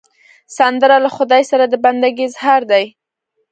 سندره له خدای سره د بندګي اظهار دی